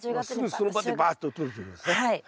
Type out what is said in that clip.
すぐその場でばっととるということですね。